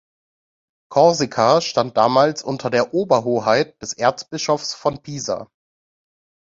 Korsika stand damals unter der Oberhoheit des Erzbischofs von Pisa.